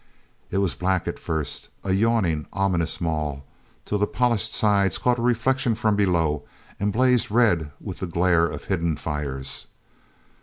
It was black at first, a yawning, ominous maw, till the polished sides caught a reflection from below and blazed red with the glare of hidden fires.